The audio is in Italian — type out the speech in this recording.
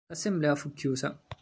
L'assemblea fu chiusa.